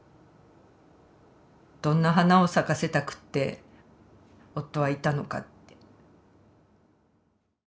どんな花を咲かせたくって夫はいたのかって。